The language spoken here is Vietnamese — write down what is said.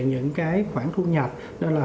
những cái khoản thu nhật đó là